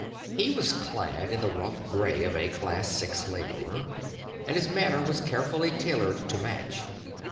He was clad in the rough gray of a Class Six laborer, and his manner was carefully tailored to match.